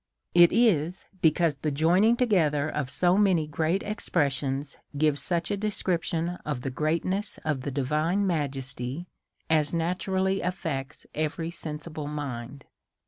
It is be cause the joining together so many great expressions, g ives such a description of the greatness of the Divine Majesty as naturally affects every sensible mind.